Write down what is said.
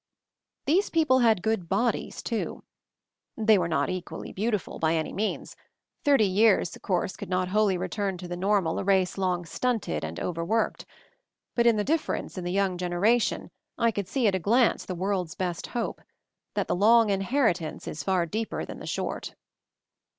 These people had good bodies, too. They were not equally beautiful, by any means; thirty years, of course, could not wholly re turn to the normal a race long stunted and overworked. But in the difference in the young generation I could see at a glance the world's best hope, that the "long inheritance" is far deeper than the short.